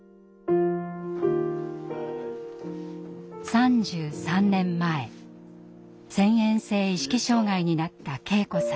３３年前遷延性意識障害になった圭子さん。